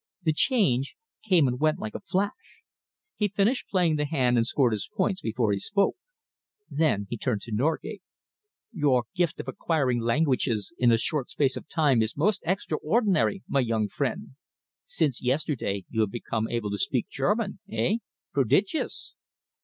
The change came and went like a flash. He finished playing the hand and scored his points before he spoke. Then he turned to Norgate. "Your gift of acquiring languages in a short space of time is most extraordinary, my young friend! Since yesterday you have become able to speak German, eh? Prodigious!"